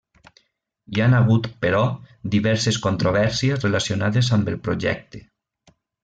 Hi han hagut, però, diverses controvèrsies relacionades amb el projecte.